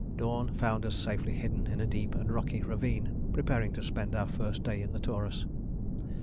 Dawn found us safely hidden in a deep and rocky ravine, preparing to spend our first day in the Taurus.